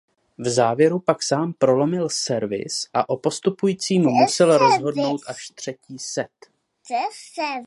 V závěru pak sám prolomil servis a o postupujícím musel rozhodnout až třetí set.